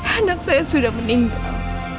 anak saya sudah meninggal